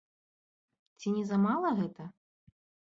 Ці не замала гэта?